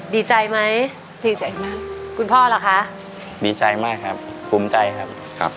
ดีใจไหมดีใจมากคุณพ่อล่ะคะดีใจมากครับภูมิใจครับครับ